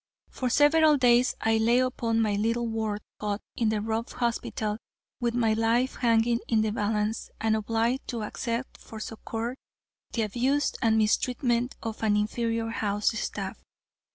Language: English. For several days I lay upon my little ward cot in the Ruff Hospital, with my life hanging in the balance, and obliged to accept for succor the abuse and mistreatment of an inferior house staff.